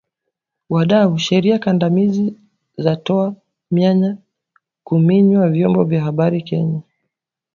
Wadau Sheria kandamizi zatoa mianya kuminywa vyombo vya habari Tanzania